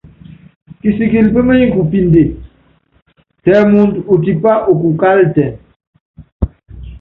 Kisikili pémenyi kupíndé, tɛ muundɔ utipa ukukukálitɛn.